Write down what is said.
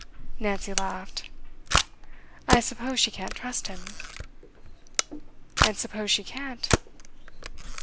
Nancy laughed. 'I suppose she can't trust him.' 'And suppose she can't?